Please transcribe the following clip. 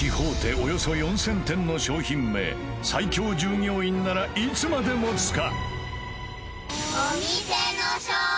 およそ４０００点の商品名最強従業員ならイツマデモツカ？